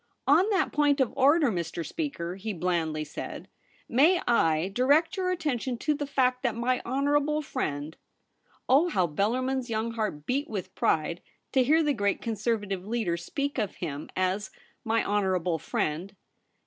'On that point of order, Mr. Speaker,' he blandly said, * may I direct your attention to the fact that my honourable friend '— oh, how Bellarmin's young heart beat with pride to hear the great Conservative leader speak of him as ' my honourable friend